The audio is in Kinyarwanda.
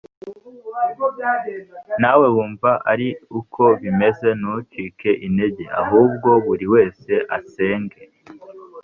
nawe wumva ari uko bimeze ntucike intege ahubwo buri wese asenge